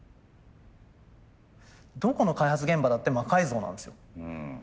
どこの開発現場だって魔改造なんですよ。